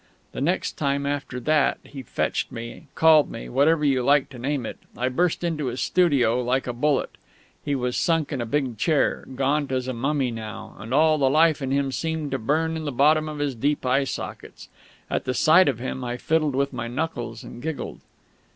The next time after that that he fetched me called me whatever you like to name it I burst into his studio like a bullet. He was sunk in a big chair, gaunt as a mummy now, and all the life in him seemed to burn in the bottom of his deep eye sockets. At the sight of him I fiddled with my knuckles and giggled.